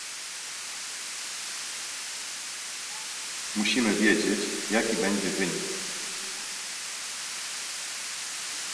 Musimy wiedzieć, jaki będzie wynik